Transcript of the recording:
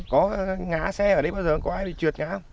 có ngã xe ở đây bao giờ có ai bị trượt ngã không